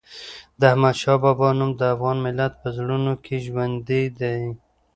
د احمدشاه بابا نوم د افغان ملت په زړونو کې ژوندي دی.